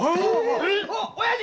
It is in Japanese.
おやじ！